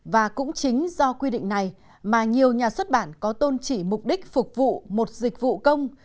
và cũng chính do quy định này mà nhiều nhà xuất bản có tôn chỉ mục đích phục vụ một dịch vụ công